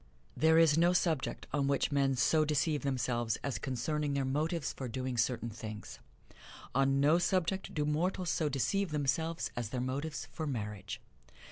There is no subject on which men so deceive themselves as concerning their motives for doing certain things. On no subject do mortals so deceive themselves as their motives for marriage.